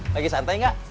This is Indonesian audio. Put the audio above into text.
lagi santai gak